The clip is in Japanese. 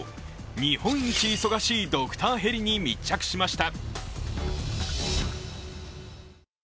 日本一忙しいドクターヘリに密着しました。